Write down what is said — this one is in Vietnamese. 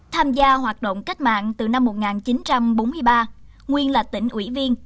tham gia hoạt động cách mạng từ năm một nghìn chín trăm bốn mươi ba nguyên là tỉnh ủy viên